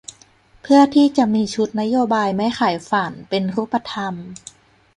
เพื่อที่จะมีชุดนโยบายไม่ขายฝัน เป็นรูปธรรม